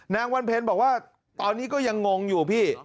นางวันเพ็ญบอกว่าตอนนี้ก็ยังงงอยู่พี่